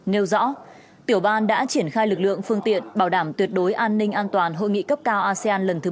nêu rõ tiểu ban đã triển khai lực lượng phương tiện bảo đảm tuyệt đối an ninh an toàn hội nghị cấp cao asean lần thứ ba mươi